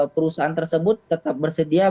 perusahaan tersebut tetap bersedia